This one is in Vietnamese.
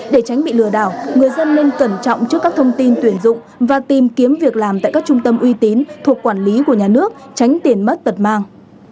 để tránh bị lừa đảo người dân nên cẩn trọng trước các thông tin tuyển dụng và tìm kiếm việc làm tại các trung tâm uy tín thuộc quản lý của nhà nước tránh tiền mất tật mang